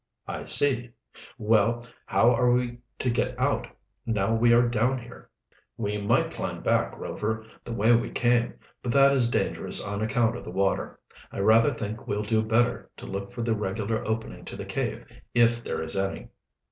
"I see. Well, how are we to get out, now we are down here?" "We might climb back, Rover, the way we came, but that is dangerous on account of the water. I rather think we'll do better to look for the regular opening to the cave, if there is any."